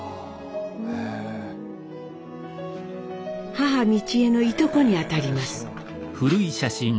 母美智榮のいとこに当たります。